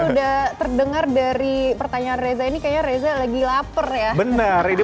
udah terdengar dari pertanyaan reza ini kayaknya reza lagi lapar ya